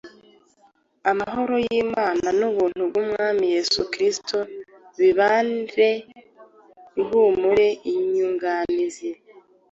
amahoro y’Imana n’ubuntu bw’Umwami Yesu Kristo bibabera ihumure n’inyunganizi.